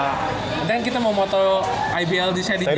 nanti kan kita mau motor ibld saya di jakarta